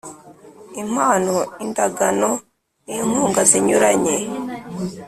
Impano indagano n inkunga zinyuranye